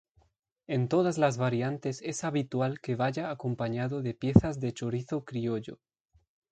En todas las variantes es habitual que vaya acompañado de piezas de chorizo criollo.